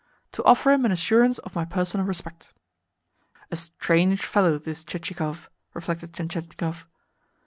"To offer him an assurance of my personal respect." "A strange fellow, this Chichikov!" reflected Tientietnikov.